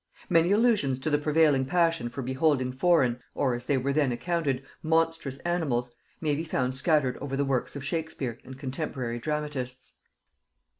Many allusions to the prevailing passion for beholding foreign, or, as they were then accounted, monstrous animals, may be found scattered over the works of Shakespeare and contemporary dramatists.